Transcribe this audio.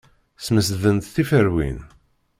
Smesdent tiferyin.